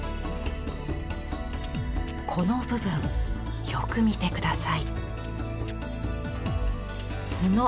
この部分よく見て下さい。